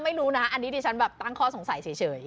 ไม่รู้นะอันนี้ดิฉันแบบตั้งข้อสงสัยเฉย